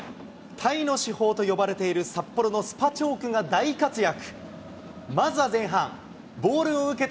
タイの至宝と呼ばれている札幌のスパチョークが大活躍。